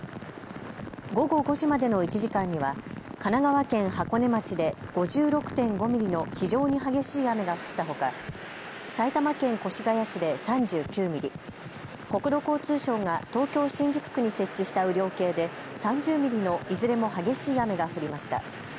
午後５時までの１時間には神奈川県箱根町で５６．５ミリの非常に激しい雨が降ったほか埼玉県越谷市で３９ミリ、国土交通省が東京新宿区に設置した雨量計で３０ミリのいずれも激しい雨が降りました。